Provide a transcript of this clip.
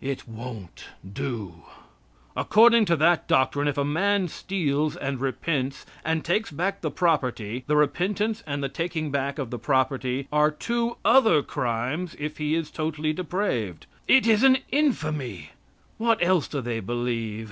It won't do. According to that doctrine, if a man steals and repents, and takes back the property, the repentance and the taking back of the property are two other crimes if he is totally depraved: It is an infamy. What else do they believe?